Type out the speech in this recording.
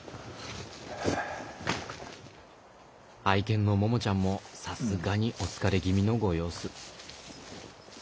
愛犬のモモちゃんもさすがにお疲れ気味のご様子。